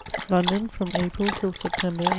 Lbndon, from April till September, 1822.